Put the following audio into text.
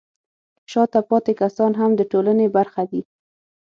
شاته پاتې کسان هم د ټولنې برخه دي.